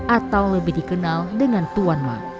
atau lebih dikenal dengan tuan ma